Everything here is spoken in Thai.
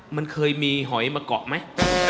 มันเคยมีหอยมาเกาะไหม